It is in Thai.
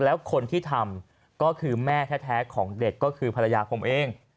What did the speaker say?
แล้วคนที่ทำก็คือแม่แท้ของเด็กก็คือภรรยาผมเอง